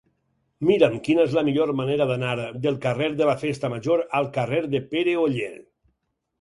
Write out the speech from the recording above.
Mira'm quina és la millor manera d'anar del carrer de la Festa Major al carrer de Pere Oller.